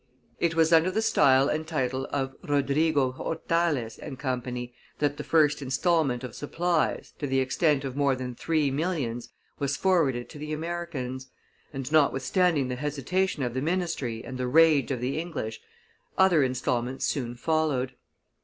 It was under the style and title of Rodrigo Hortalez and Co. that the first instalment of supplies, to the extent of more than three millions, was forwarded to the Americans; and, notwithstanding the hesitation of the ministry and the rage of the English, other instalments soon followed.